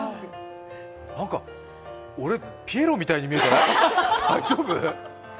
俺ピエロみたいに見えたね、大丈夫？